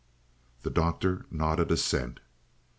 The Doctor nodded assent.